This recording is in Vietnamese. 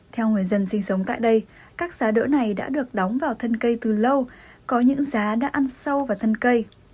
theo người dân sinh sống tại đây các giá đỡ này đã được đóng vào thân cây từ lâu có những giá đã ăn sâu vào thân cây